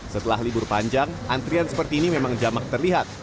setelah libur panjang antrian seperti ini memang jamak terlihat